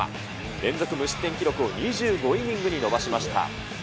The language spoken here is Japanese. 連続無失点記録を２５イニングに伸ばしました。